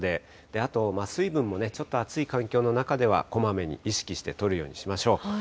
あと、水分もちょっと暑い環境の中では、こまめに意識してとるようにしましょう。